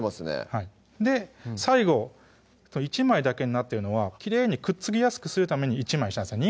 はい最後１枚だけになってるのはきれいにくっつきやすくするために１枚にしたんです